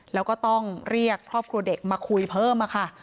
แล้วก็ต้องเรียกครอบครัวเด็กมาคุยเพิ่มค่ะ